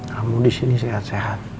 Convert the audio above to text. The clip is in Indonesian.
kamu di sini sehat sehat